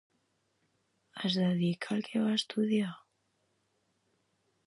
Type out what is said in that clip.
Es dedica al que va estudiar?